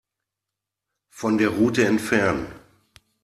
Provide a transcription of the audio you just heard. Von der Route entfernen.